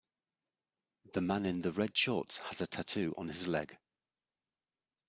The man in the red shorts has a tattoo on his leg.